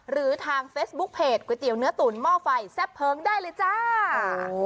หรือทางเฟซบุ๊คเพจก๋วยเตี๋ยวเนื้อตุ๋นหม้อไฟแซ่บเพลิงได้เลยจ้า